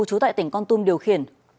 chú tại tỉnh con tum điều khiển